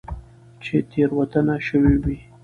چې تيروتنه شوي وي